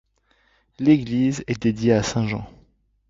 L'église est dédiée à saint Jean.